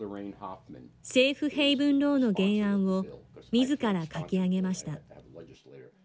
セーフ・ヘイブン・ローの原案を、みずから書き上げました。